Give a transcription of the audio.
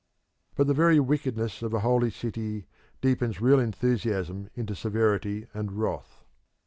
But the very wickedness of a holy city deepens real enthusiasm into severity and wrath.